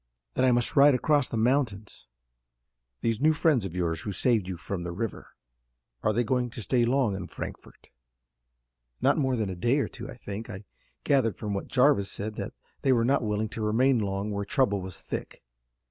"Then I must ride across the mountains." "These new friends of yours who saved you from the river, are they going to stay long in Frankfort?" "Not more than a day or two, I think. I gathered from what Jarvis said that they were not willing to remain long where trouble was thick."